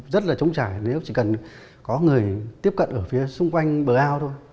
rất là trống trải nếu chỉ cần có người tiếp cận ở phía xung quanh bờ ao thôi